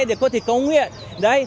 để có thể công nghệ